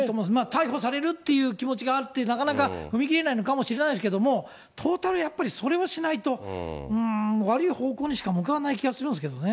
逮捕されるっていう気持ちがあって、なかなか踏み切れないのかもしれないですけれども、トータル、やっぱりそれをしないと、悪い方向にしか向かわない気がするんですけどね。